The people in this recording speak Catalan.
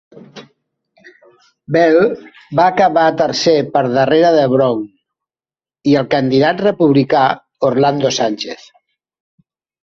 Bell va acabar tercer per darrere de Brown i el candidat republicà Orlando Sanchez.